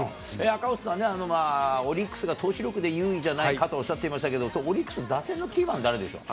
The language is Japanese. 赤星さんね、オリックスが投手力で優位じゃないかっておっしゃっていましたけど、そこ、オリックスの打席のキーマン、誰でしょう。